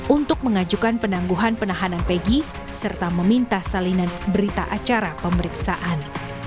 untuk mengajukan penangguhan penahanan pegi serta meminta salinan berita acara pemeriksaan